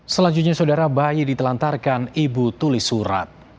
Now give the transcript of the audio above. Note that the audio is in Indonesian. selanjutnya saudara bayi ditelantarkan ibu tulis surat